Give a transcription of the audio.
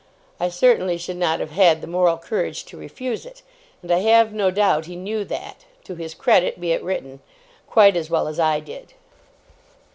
I certainly should not have had the moral courage to refuse it; and I have no doubt he knew that (to his credit be it written), quite as well as I did.